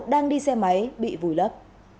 đang đi xe máy bị vùi lấp